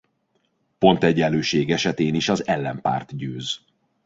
Pontegyenlőség esetén is az ellenpárt győz.